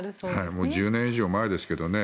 もう１０年以上前ですけどね。